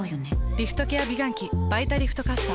リフトケア美顔器「バイタリフトかっさ」。